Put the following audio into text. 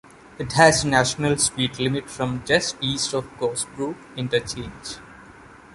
It has National Speed Limit from just east of Goresbrook Interchange.